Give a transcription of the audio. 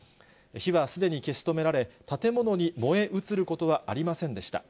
火はすでに消し止められ、建物に燃え移ることはありませんでした。